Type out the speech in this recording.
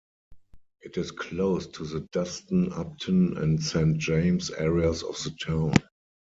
It is close to the Duston, Upton and Saint James areas of the town.